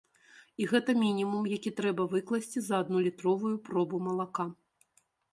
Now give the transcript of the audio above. І гэта мінімум, які трэба выкласці за адну літровую пробу малака.